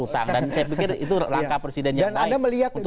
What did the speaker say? dan saya pikir itu langkah presiden yang baik untuk menyelamatkan